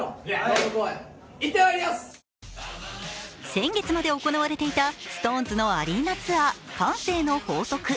先月まで行われていたＳｉｘＴＯＮＥＳのアリーナツアー「歓声の法則」。